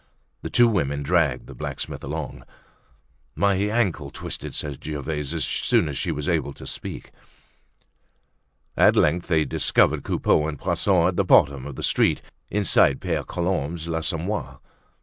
The two women dragged the blacksmith along. "My ankle twisted," said Gervaise as soon as she was able to speak. At length they discovered Coupeau and Poisson at the bottom of the street inside Pere Colombe's l'Assommoir.